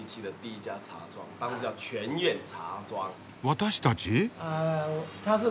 「私たち」？